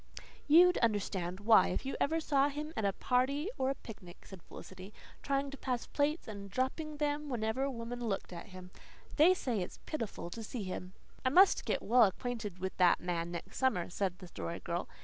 "You'd understand why if you ever saw him at a party or a picnic," said Felicity, "trying to pass plates and dropping them whenever a woman looked at him. They say it's pitiful to see him." "I must get well acquainted with that man next summer," said the Story Girl.